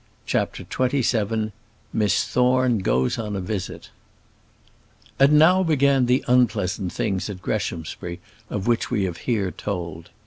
CHAPTER XXVII Miss Thorne Goes on a Visit And now began the unpleasant things at Greshamsbury of which we have here told.